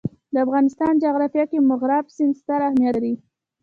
د افغانستان جغرافیه کې مورغاب سیند ستر اهمیت لري.